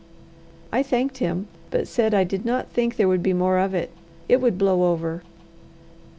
I thanked him, but said I did not think there would be more of it. It would blow over.